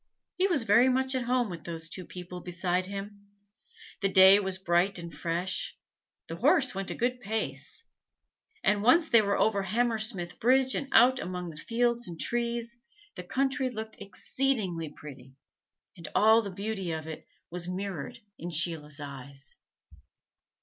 He was very much at home with those two people beside him; the day was bright and fresh; the horse went a good pace; and once they were over Hammersmith Bridge and out among fields and trees, the country looked exceedingly pretty, and all the beauty of it was mirrored in Sheila's eyes.